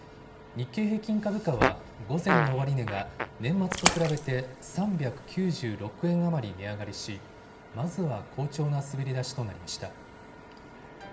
日経平均株価は午前の終値が年末と比べて３９６円余り値上がりしまずは好調な滑り出しとなりました。